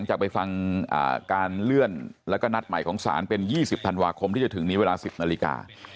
จากไปฟังการเลื่อนแล้วก็นัดใหม่ของศาลเป็น๒๐ธันวาคมที่จะถึงนี้เวลา๑๐นาฬิกา